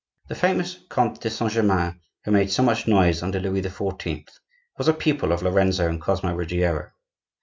The famous Comte de Saint Germain, who made so much noise under Louis XIV., was a pupil of Lorenzo and Cosmo Ruggiero.